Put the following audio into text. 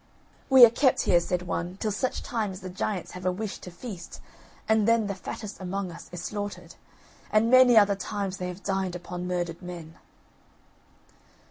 "We are kept here," said one, "till such time as the giants have a wish to feast, and then the fattest among us is slaughtered! And many are the times they have dined upon murdered men!"